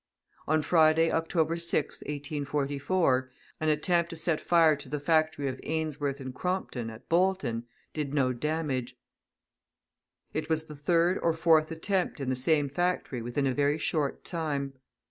On Friday, October 6th, 1844, an attempt to set fire to the factory of Ainsworth and Crompton, at Bolton, did no damage; it was the third or fourth attempt in the same factory within a very short time.